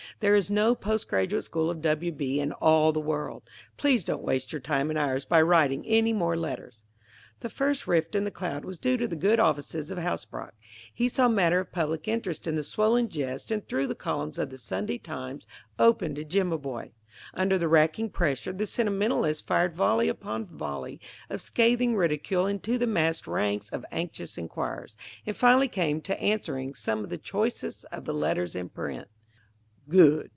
There is no Post Graduate School of W. B. in all the world. Please don't waste your time and ours by writing any more letters." The first rift in the cloud was due to the good offices of Hasbrouck. He saw matter of public interest in the swollen jest and threw the columns of the Sunday Times open to Jimaboy. Under the racking pressure, the sentimentalist fired volley upon volley of scathing ridicule into the massed ranks of anxious inquirers, and finally came to answering some of the choicest of the letters in print. "Good!"